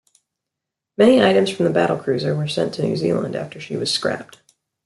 Many items from the battlecruiser were sent to New Zealand after she was scrapped.